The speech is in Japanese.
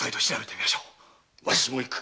わしも行く。